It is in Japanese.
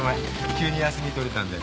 急に休み取れたんで。